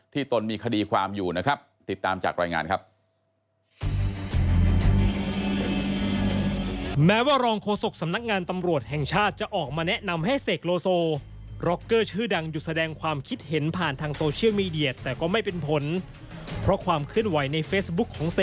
ตนมีคดีความอยู่นะครับติดตามจากรายงานครับ